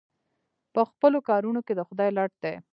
په خپلو کارونو کې د خدای لټ دی.